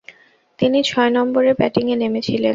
তিনি ছয় নম্বরে ব্যাটিংয়ে নেমেছিলেন।